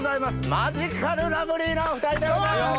マヂカルラブリーのお２人でございます。